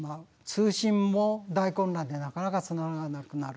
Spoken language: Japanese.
通信も大混乱でなかなかつながらなくなる。